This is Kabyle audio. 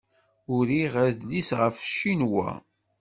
Uriɣ adlis ɣef Cinwa.